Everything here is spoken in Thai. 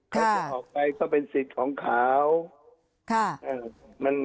ใครจะออกไปก็เป็นสิทธิ์ของเขา